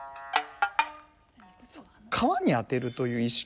皮に当てるという意識で。